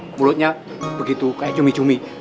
mulutnya begitu kayak cumi cumi